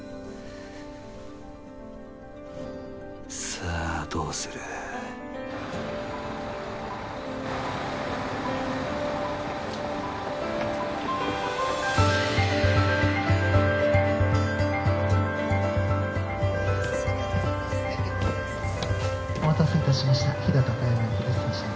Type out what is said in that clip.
さあどうするお待たせいたしました飛騨高山行き